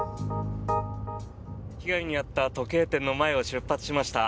被害に遭った時計店の前を出発しました。